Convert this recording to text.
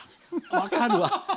分かるわ。